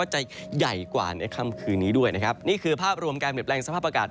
จะใหญ่กว่าในค่ำคืนนี้ด้วยนะครับนี่คือภาพรวมการเปลี่ยนแปลงสภาพอากาศ